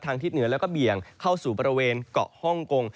ทิศเหนือแล้วก็เบี่ยงเข้าสู่บริเวณเกาะฮ่องกง